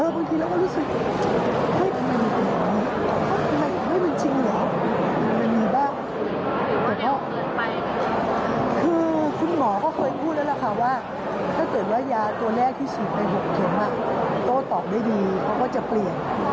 คือคุณหมอก็เคยพูดแล้วล่ะค่ะว่าถ้าเกิดว่ายาตัวแรกที่ฉีดไป๖เข็มโต้ตอบได้ดีเขาก็จะเปลี่ยน